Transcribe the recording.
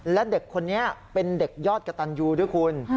และเด็กคนนี้เป็นเด็กยอดกระตันยูด้วยคุณ